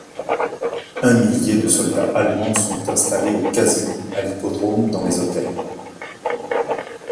Un millier de soldats allemands sont installés au Casino, à l'hippodrome, dans les hôtels.